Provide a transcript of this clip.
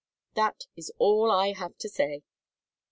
That is all I have to say."